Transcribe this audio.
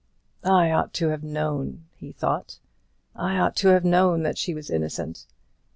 "I ought to have known," he thought, "I ought to have known that she was innocent.